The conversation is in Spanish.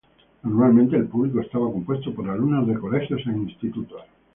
Normalmente el público estaba compuesto por alumnos de colegios e institutos.